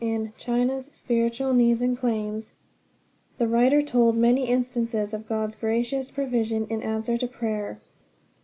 In "China's Spiritual Needs and Claims" the writer told many instances of God's gracious provision in answer to prayer.